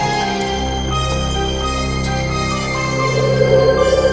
dengan tuha dukungan kalian